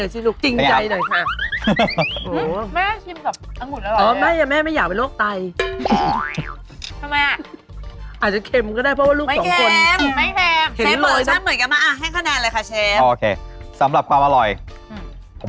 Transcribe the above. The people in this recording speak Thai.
เชฟถ้าเกิดทานกับข้าวเหนียวมันน่าจะเข้าไหม